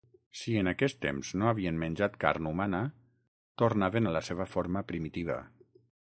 Si en aquest temps no havien menjat carn humana, tornaven a la seva forma primitiva.